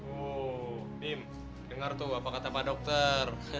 uh dim dengar tuh apa kata pak dokter